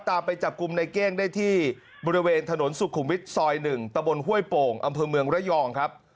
ไปจับกลุ่มในเก้งได้ที่บริเวณถนนสุขุมวิทย์ซอย๑ตะบนห้วยโป่งอำเภอเมืองระยองครับ